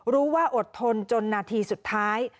รู้ว่าอดทนจนนาทีสุดท้าย